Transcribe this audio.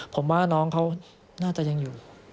ผมว่าน้องเขาน่าจะยังอยู่